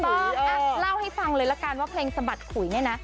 เล่าให้ฟังเลยละกันว่าเพลงสะบัดขุยเนี่ยนะ